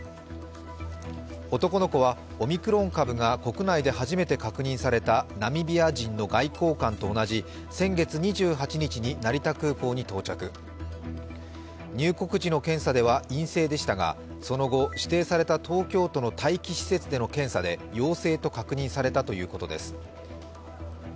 男の子はオミクロン株が国内で初めて確認されたナミビア人の外交官と同じ先月２８日に成田空港に到着、入国時の検査は陰性でしたがその後、指定された東京都の待機施設の検査で陽性と確認されたということです。